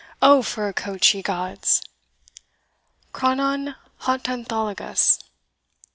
O for a coach, ye gods! Chrononhotonthologos.